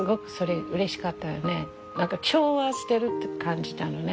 何か調和してるって感じたのね。